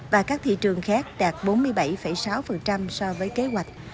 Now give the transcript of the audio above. và các thị trường khác đạt bốn mươi bảy sáu so với kế hoạch